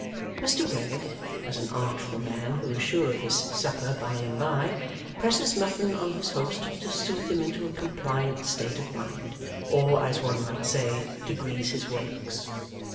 Mr Wegg, as an artful man who is sure of his supper by and bye, presses muffin on his host to soothe him into a compliant state of mind, or, as one might say, to grease his works.